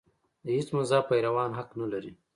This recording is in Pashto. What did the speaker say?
د هېڅ مذهب پیروان حق نه لري.